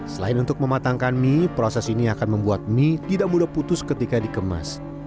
selain untuk mematangkan mie proses ini akan membuat mie tidak mudah putus ketika dikemas